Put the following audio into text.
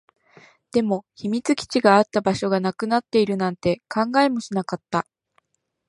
でも、秘密基地があった場所がなくなっているなんて考えもしなかった